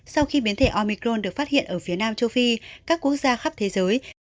sau khi biến thể omicron được phát hiện ở phía nam châu phi các quốc gia khắp thế giới